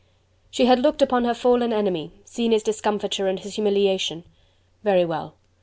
She had looked upon her fallen enemy, seen his discomfiture and his humiliation! Very well!